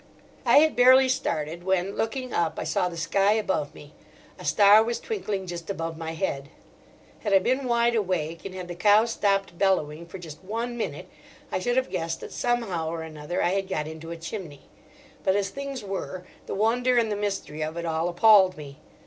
I had barely started, when, looking up, I saw the sky above me: a star was twinkling just above my head. Had I been wide awake, and had the cow stopped bellowing for just one minute, I should have guessed that somehow or another I had got into a chimney. But as things were, the wonder and the mystery of it all appalled me.